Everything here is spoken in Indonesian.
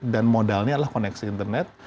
dan modalnya adalah koneksi internet